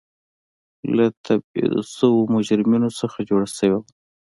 له تبعید شویو مجرمینو څخه جوړه شوې وه.